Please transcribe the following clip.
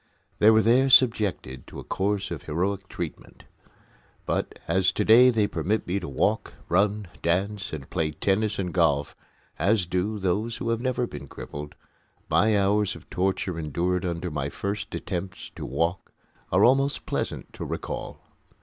They were there subjected to a course of heroic treatment; but as to day they permit me to walk, run, dance, and play tennis and golf, as do those who have never been crippled, my hours of torture endured under my first attempts to walk are almost pleasant to recall.